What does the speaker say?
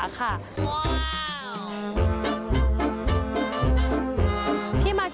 ที่มาที่ไปของ